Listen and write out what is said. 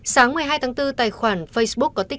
sáng một mươi hai tháng bốn tài khoản facebook có tích